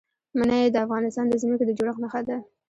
منی د افغانستان د ځمکې د جوړښت نښه ده.